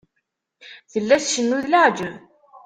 Tella tcennu d leɛǧeb.